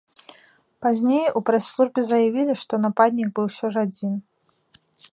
Пазней у прэс-службе заявілі, што нападнік быў усё ж адзін.